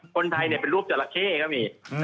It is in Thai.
คนไทยเป็นรูปจราเข้ก็มี